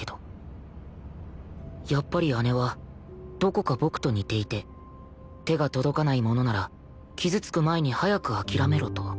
やっぱり姉はどこか僕と似ていて手が届かないものなら傷つく前に早く諦めろと